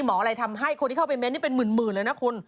อะไรทำให้คนที่เข้าไปเน้นนี่เป็นหมื่นเลยนะคุณ